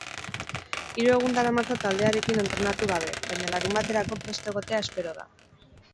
Hiru egun daramatza taldearekin entrenatu gabe, baina larunbaterako prest egotea espero da.